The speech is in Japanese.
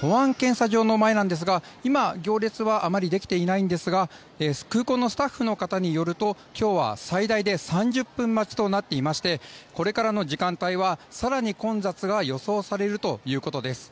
保安検査場の前なんですが今、行列はあまりできていないんですが空港のスタッフの方によると今日は最大で３０分待ちとなっていましてこれからの時間帯は更に混雑が予想されるということです。